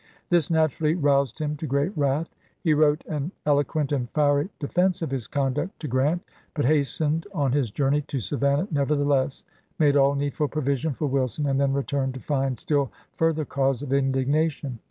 This naturally roused him to great wrath ; he wrote an eloquent and fiery defense of his conduct to Grant, but hastened on his journey to Savannah never theless, made all needful provision for Wilson, and then returned to find still further cause of indigna tion.